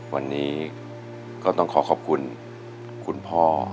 วันนี้ก็ต้องขอขอบคุณคุณพ่อ